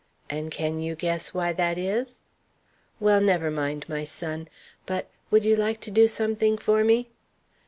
And can you guess why that is? Well, never mind, my son. But would you like to do something for me?"